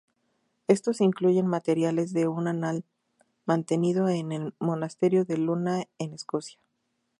Estos incluyen materiales de un anal mantenido en el monasterio de Iona en Escocia.